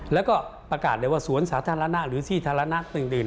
แล้วก็ประกาศเลยว่าสวนสาธารณะหรือที่ธรณะอื่น